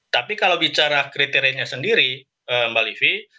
tapi kalau bicara kriterianya sendiri mbak livi